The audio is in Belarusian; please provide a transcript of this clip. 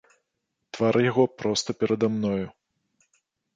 Твар яго проста перада мною.